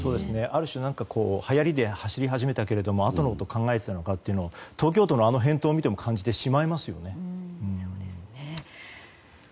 ある種、はやりで走り始めたけれどもあとのことを考えていたのかということを東京都のあの返答を見ても感じてしまいますよね。